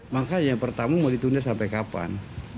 makanya pertama mau ditunda sampai kapan